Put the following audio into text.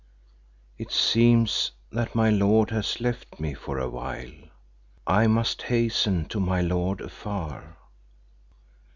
"It seems that my lord has left me for awhile; I must hasten to my lord afar."